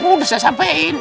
mau udah saya sampein